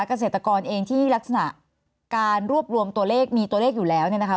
เกษตรกรเองที่ลักษณะการรวบรวมตัวเลขมีตัวเลขอยู่แล้วเนี่ยนะคะ